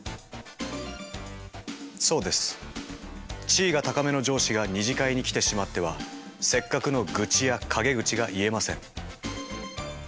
地位が高めの上司が二次会に来てしまってはせっかくの愚痴や陰口が言えません。